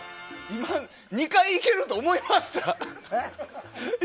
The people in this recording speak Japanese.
今、２回いけると思いました？